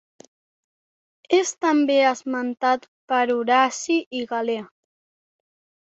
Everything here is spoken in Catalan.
És també esmentat per Horaci i Galè.